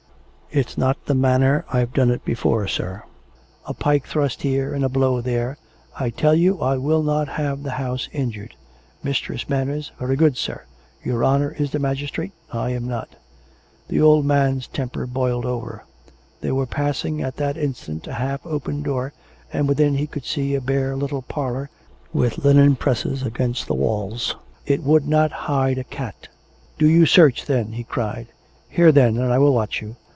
" It's not the manner I've done it before, sir. A pike thrust here, and a blow there "" I tell you I will not have the house injured ! Mistress Manners "" Very good, sir. Your honour is the magistrate. ... J am not." COME RACK! COME ROPE! 425 The old man's temper boiled over. They were passing at that instant a half open door^ and within he could see a bare little parlour, with linen presses against the walls. It would not hide a cat. " Do you search, then !" he cried. " Here, then, and I will watch you!